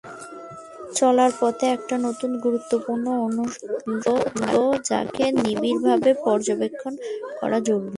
চলার পথে এটা নতুন গুরুত্বপূর্ণ অনুষঙ্গ, যাকে নিবিড়ভাবে পর্যবেক্ষণ করা জরুরি।